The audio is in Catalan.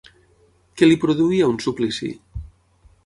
Què li produïa un suplici?